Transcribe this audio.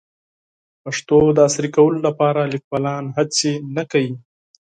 د پښتو د عصري کولو لپاره لیکوالان هڅې نه کوي.